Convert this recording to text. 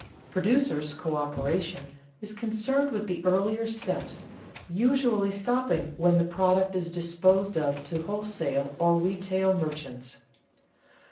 Producers' coöperation is concerned with the earlier steps, usually stopping when the product is disposed of to wholesale or retail merchants.